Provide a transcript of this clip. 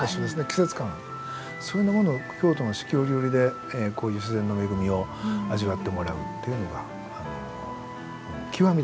季節感そういうようなものを京都の四季折々でこういう自然の恵みを味わってもらうっていうのが極みだと思います。